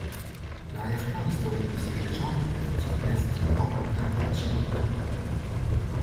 L'arrière-plan historique de cette légende est la dynastie orientale des Jin.